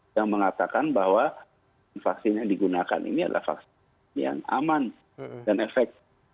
yang mengatakan bahwa vaksin yang digunakan ini adalah vaksin yang aman dan efektif